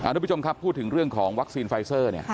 ทุกผู้ชมครับพูดถึงเรื่องของวัคซีนไฟเซอร์เนี่ย